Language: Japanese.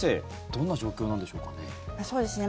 どんな状況なんでしょうかね。